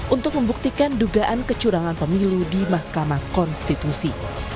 untuk membuktikan dugaan kecurangan pemilu di mahkamah konstitusi